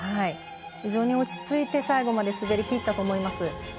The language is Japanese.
非常に落ち着いて最後まで滑りきったと思います。